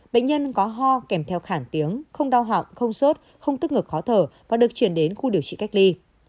bệnh nhân có ho kèm theo khả tiếng không đau họng không sốt không tức ngực khó thở và được chuyển đến khu điều trị cách ly